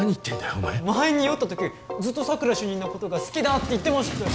お前前に酔った時ずっと佐久良主任のことが好きだって言ってました